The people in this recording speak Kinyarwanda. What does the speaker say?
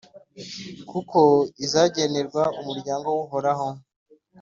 kuko izagenerwa umuryango w’Uhoraho,